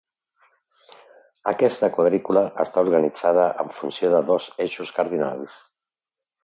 Aquesta quadrícula està organitzada en funció de dos eixos cardinals.